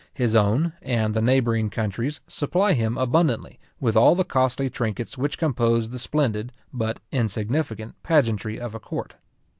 His own and the neighbouring countries supply him abundantly with all the costly trinkets which compose the splendid, but insignificant, pageantry of a court.